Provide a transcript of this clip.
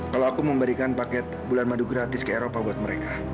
kalau aku memberikan paket bulan madu gratis ke eropa buat mereka